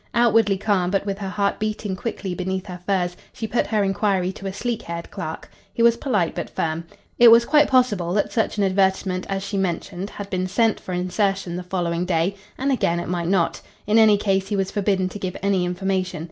Outwardly calm, but with her heart beating quickly beneath her furs, she put her inquiry to a sleek haired clerk. He was polite but firm. It was quite possible that such an advertisement as she mentioned had been sent for insertion the following day, and again it might not. In any case he was forbidden to give any information.